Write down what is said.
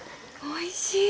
「おいしい」